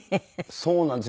そうなんです。